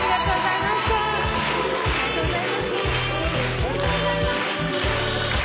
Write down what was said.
ありがとうございます。